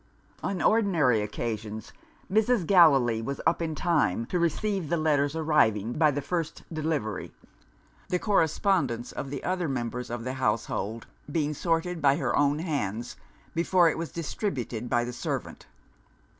On ordinary occasions, Mrs. Gallilee was up in time to receive the letters arriving by the first delivery; the correspondence of the other members of the household being sorted by her own hands, before it was distributed by the servant.